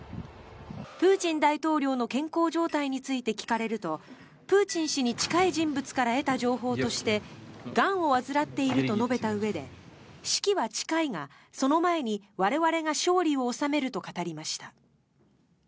プーチン大統領の健康状態について聞かれるとプーチン氏に近い人物から得た情報としてがんを患っていると述べたうえで死期は近いが、その前に我々が勝利を収めると語りました。